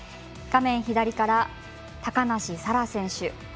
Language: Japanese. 画面左から、高梨沙羅選手。